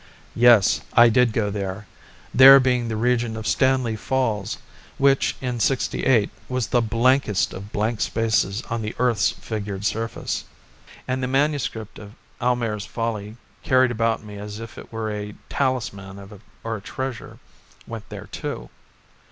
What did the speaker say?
Yes. I did go there: there being the region of Stanley Falls which in '68 was the blankest of blank spaces on the earth's figured surface. And the MS. of "Almayer's Folly," carried about me as if it were a talisman or a treasure, went there too.